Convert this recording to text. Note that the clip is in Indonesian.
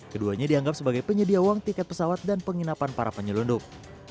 keduanya dianggap sebagai penyedia uang tiket pesawat dan penginapan para penyelundup